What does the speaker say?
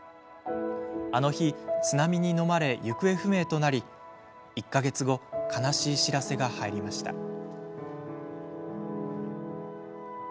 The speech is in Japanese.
あの日津波にのまれ行方不明となり１か月後悲しい知らせが入りました。